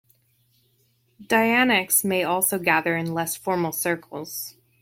Dianics may also gather in less formal Circles.